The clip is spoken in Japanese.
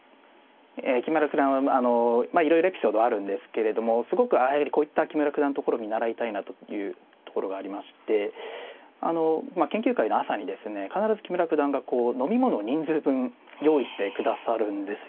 木村九段はまあいろいろエピソードはあるんですけれどもすごくこういった木村九段のところを見習いたいなというところがありまして研究会の朝にですね必ず木村九段がこう飲み物を人数分用意してくださるんですよね。